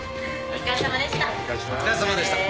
お疲れさまでした。